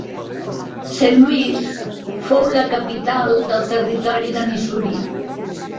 St. Louis fou la capital del territori de Missouri.